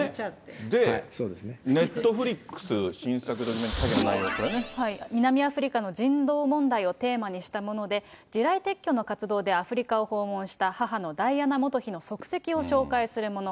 で、ネットフリックス、南アフリカの人道問題をテーマにしたもので、地雷撤去の活動でアフリカを訪問した母のダイアナ元妃の足跡を紹介するもの。